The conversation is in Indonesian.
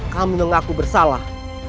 kami mengaku bersalah